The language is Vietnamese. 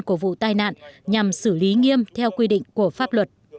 của vụ tai nạn nhằm xử lý nghiêm theo quy định của pháp luật